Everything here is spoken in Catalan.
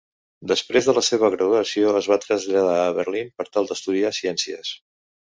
Després de la seva graduació, es va traslladar a Berlín per tal d'estudiar ciències.